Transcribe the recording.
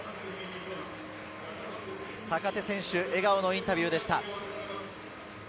坂手選手、笑顔のインタビューでした。